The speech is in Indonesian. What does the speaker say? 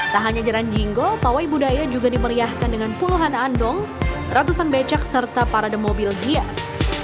tak hanya jalan jinggo pawai budaya juga dimeriahkan dengan puluhan andong ratusan becak serta parade mobil hias